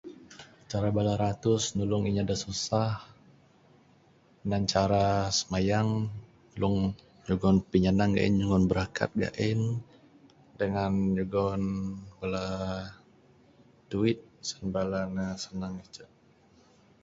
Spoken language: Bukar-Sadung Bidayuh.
Cara bala ratus nulung inya da susah minan cara smayang nulung nyugon pinyanang gain nyugon brakat gain dangan nyugon bala duit sen bala ne senang icek.